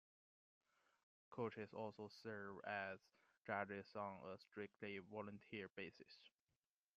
Coaches also serve as judges on a strictly volunteer basis.